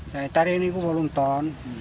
saya tarik ini pun delapan ton